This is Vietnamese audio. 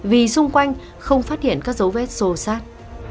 vì xung quanh không phát hiện các dấu vết xô sát